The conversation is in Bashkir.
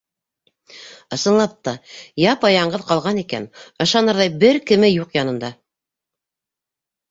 Ысынлап та, япа-яңғыҙ ҡалған икән, ышанырҙай бер кеме лә янында юҡ.